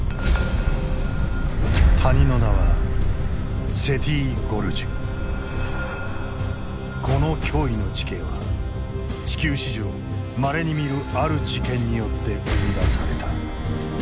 谷の名はこの驚異の地形は地球史上まれに見るある事件によって生み出された。